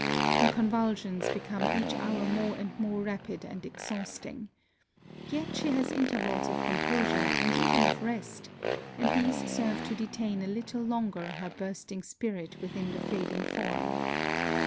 Her convulsions become each hour more and more rapid and exhausting. Yet she has intervals of composure and even of rest, and these serve to detain a little longer her bursting spirit within the fading form.